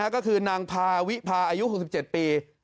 ก็คือนางพาวิพาอายุ๖๗ปี